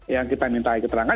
yang kita minta keterangan